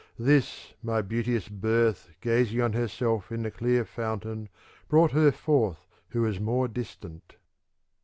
This my beauteous birth gazing on herself in the clear fountain brought her forth who . is more distant.'